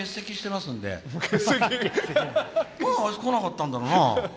なんであいつ来なかったんだろうな。